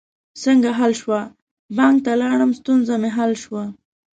څنګه حل شوه؟ بانک ته لاړم، ستونزه می حل شوه